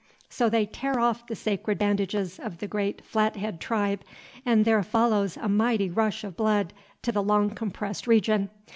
So they tear off the sacred bandages of the great Flat Head tribe, and there follows a mighty rush of blood to the long compressed region.